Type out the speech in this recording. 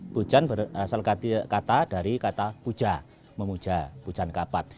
pujan berasal kata dari kata puja memuja pujan kapat